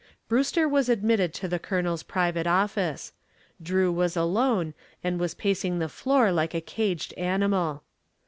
Brewster was admitted to the Colonel's private office. Drew was alone and was pacing the floor like a caged animal.